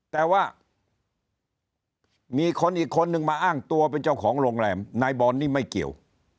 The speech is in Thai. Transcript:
แต่ว่ามีคนอีกคนนึงมาอ้างตัวเป็นเจ้าของโรงแรมนายบอลนี่ไม่เกี่ยว